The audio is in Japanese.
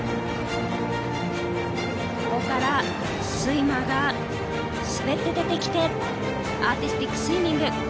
ここからスイマーが滑って出てきてアーティスティックスイミング。